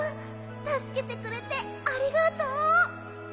たすけてくれてありがとう！